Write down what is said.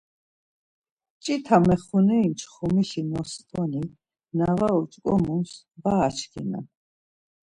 Mç̌ita mexuneri mçxomişi nostune, na var uç̌ǩomuns var açkinen.